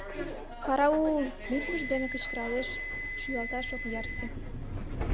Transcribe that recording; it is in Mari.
— Карау-ул! — лӱдмыж дене кычкыралеш, шӱлалташ ок ярсе.